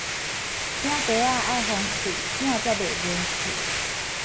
餅袋仔愛封喙，餅才袂潤去